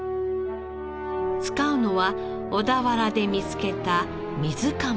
使うのは小田原で見つけたミズカマス。